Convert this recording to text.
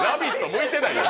向いてないよ。